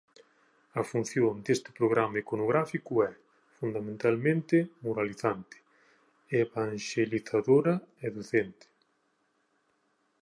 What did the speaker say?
A función deste programa iconográfico é, fundamentalmente, moralizante, evanxelizadora e docente.